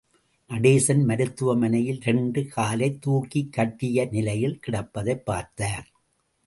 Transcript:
நடேசன் மருத்துவமனையில் இரண்டு காலை தூக்கிக்கட்டிய நிலையில் கிடப்பதைப் பார்த்தார்.